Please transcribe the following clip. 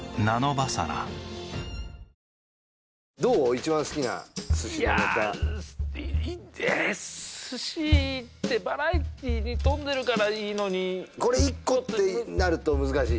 一番好きな寿司のネタいやえ寿司ってバラエティーに富んでるからいいのにこれ１個ってなると難しい？